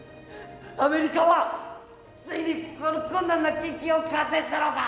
アメリカはついにこの困難な研究を完成したのか。